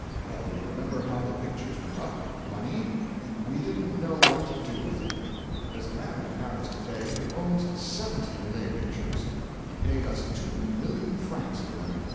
Well, you remember how the pictures went up. Money? We didn't know what to do with it. There's a man in Paris to day who owns seventy Millet pictures. He paid us two million francs for them.